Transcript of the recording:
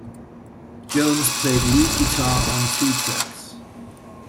Jones played lead guitar on two tracks.